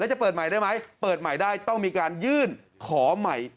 จะเปิดใหม่ได้ไหมเปิดใหม่ได้ต้องมีการยื่นขอใหม่